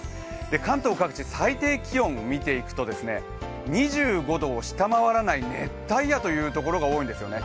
関東各地、最低気温を見ていくと２５度を下回らない熱帯夜というところが多いんですね。